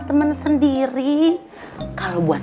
kalo buat kannonashed iti ada insyaallah enggak